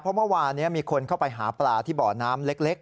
เพราะเมื่อวานนี้มีคนเข้าไปหาปลาที่บ่อน้ำเล็ก